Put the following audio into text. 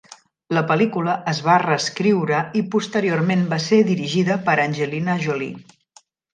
La pel·lícula es va reescriure i posteriorment va ser dirigida per Angelina Jolie.